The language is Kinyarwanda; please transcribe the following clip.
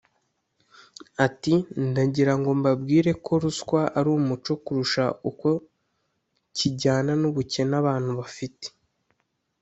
Ati"Ndagira ngo mbabwire ko ruswa ari umuco kurusha uko kijyana n’ubukene abantu bafite